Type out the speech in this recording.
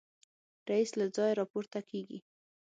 رییس له ځایه راپورته کېږي.